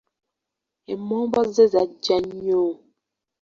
Emmombo ze zajja nnyo.